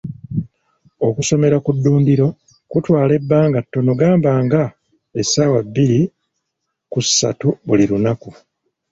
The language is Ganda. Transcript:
Okusomera ku ddundiro kutwala ebbanga ttono gamba nga essaawa bbiri ku ssatu buli lunaku.